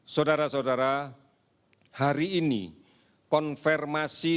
sudara sudara hari ini konfirmasi